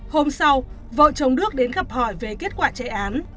hôm sau vợ chồng đức đến gặp hỏi về kết quả chạy án